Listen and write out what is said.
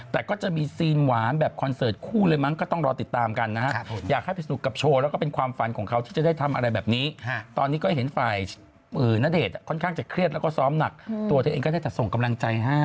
แต่ก็จะมีซีนหวานแบบคอนเสิร์ตคู่เลยมั้ง